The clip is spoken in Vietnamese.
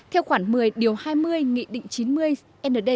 theo khoảng một mươi điều hai mươi nghị định chín mươi nld